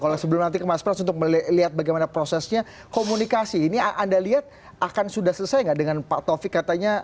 kalau sebelum nanti ke mas pras untuk melihat bagaimana prosesnya komunikasi ini anda lihat akan sudah selesai nggak dengan pak taufik katanya